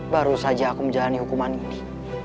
baru saja aku menjalani hukuman ini